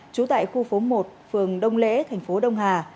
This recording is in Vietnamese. trú tại khu phố một phường đông lễ thành phố đông hà